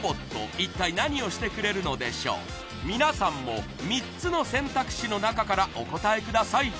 一体皆さんも３つの選択肢の中からお答えください